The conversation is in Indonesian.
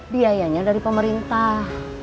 biayanya dari pemerintah